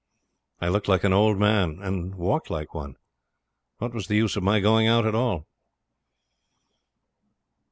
I looked like an old man, and walked like one. What was the use of my going out at all?